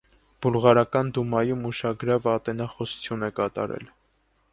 Բուլղարական դումայում ուշագրավ ատենախոսություն է կատարել։